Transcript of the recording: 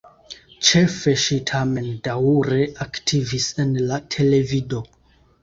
Ĉefe ŝi tamen daŭre aktivis en la televido.